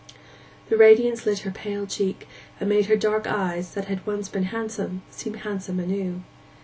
The radiance lit her pale cheek, and made her dark eyes, that had once been handsome, seem handsome anew.